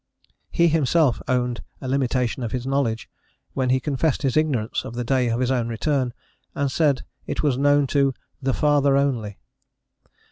* He himself owned a limitation of his knowledge, when he confessed his ignorance of the day of his own return, and said it was known to the "Father only."